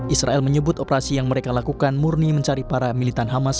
israel menyebut operasi yang mereka lakukan murni mencari para militan hamas